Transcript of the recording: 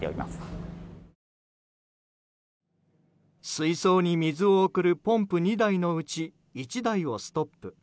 水槽に水を送るポンプ２台のうち１台をストップ。